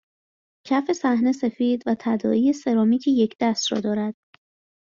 کف صحنه سفید و تداعی سرامیکی یکدست را دارد